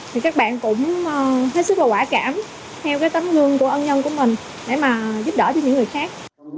thì các bạn cũng hết sức là quả cảm theo cái tấm gương của ân nhân của mình để mà giúp đỡ cho những người khác